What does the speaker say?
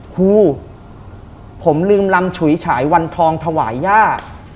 ครูผมลืมลำฉุยฉายวันทองถวายย่า